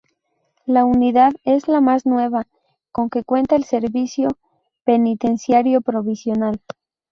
La unidad, es la más nueva con que cuenta el Servicio Penitenciario provincial.